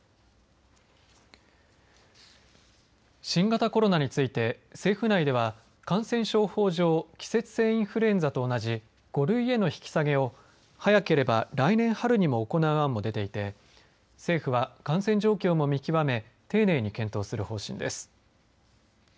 新型コロナについて政府内では感染症法上季節性インフルエンザと同じ５類への引き下げを早ければ来年春にも行う案も出ていて政府は感染状況も見極め丁寧に検討する方針です。